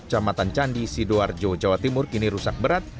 jamatan candi sidoarjo jawa timur kini rusak berat